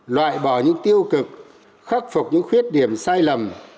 loại bỏ những tiêu cực khắc phục những khuyết điểm sai lầm